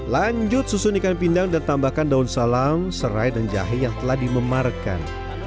lanjut susun ikan pindang dan tambahkan daun salam serai dan jahe yang telah dimemarkan